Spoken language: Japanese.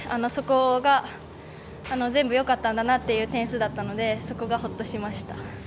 そこが全部よかったんだなという点数だったのでそこが、ほっとしました。